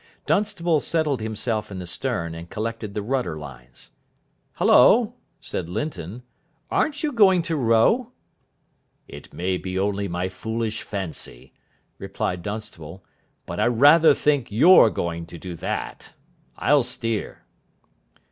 Dunstable settled himself in the stern, and collected the rudder lines. "Hullo," said Linton, "aren't you going to row?" "It may be only my foolish fancy," replied Dunstable, "but I rather think you're going to do that. I'll steer."